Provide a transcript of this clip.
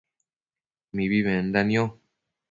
mibi menda nio